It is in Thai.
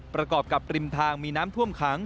ประกอบกับริมทางมีน้ำท่วมขัง